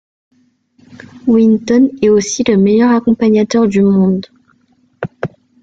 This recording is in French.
Wynton est aussi le meilleur accompagnateur du monde.